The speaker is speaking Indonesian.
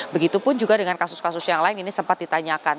begitupun juga dengan kasus kasus yang lain ini sempat ditanyakan